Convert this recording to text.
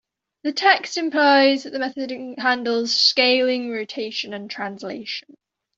The text implies that method handles scaling, rotation, and translation.